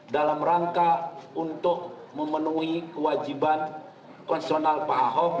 dalam rangka untuk memenuhi kewajiban konsesional paha ho